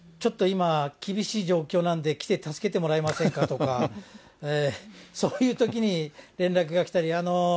今、厳しい状況なんで、来て助けてもらえませんかとか、そういうときに連絡が来たり。